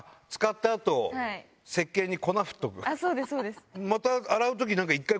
そうですそうです。